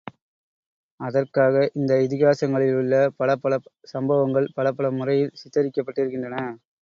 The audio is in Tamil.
அதற்காக இந்த இதிகாசங்களிலுள்ள பலப்பல சம்பவங்கள் பலப்பல முறையில் சித்திரிக்கப்பட்டிருக்கின்றன.